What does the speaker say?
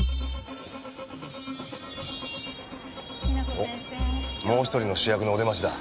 おっもう１人の主役のお出ましだ。